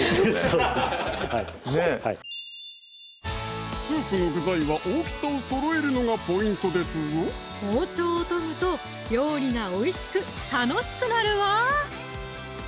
そうですねはいスープの具材は大きさをそろえるのがポイントですぞ包丁を研ぐと料理がおいしく楽しくなるわ！